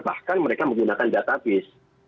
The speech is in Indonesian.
bahkan mereka menggunakan database